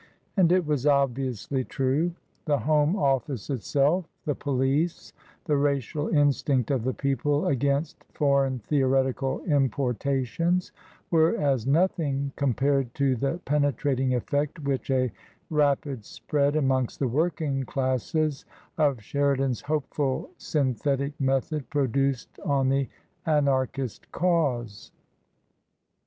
And it was obviously true. The Home Office itself, the police, the racial instinct of the people against foreign theoretical importations, were as nothing compared to the penetrating effect which a rapid spread amongst the working classes of Sheridan's hopeful syn thetic method produced on the Anarchist cause.